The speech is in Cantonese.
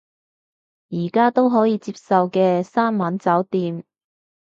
而家都可以接受嘅，三晚酒店